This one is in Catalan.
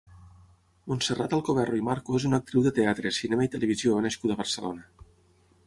Montserrat Alcoverro i Marco és una actriu de teatre, cinema i televisió nascuda a Barcelona.